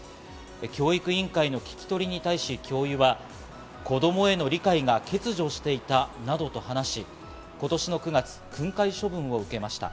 教育委員会の聞き取りに対し教諭は、子供への理解が欠如していたなどと話し、今年９月、訓戒処分を受けました。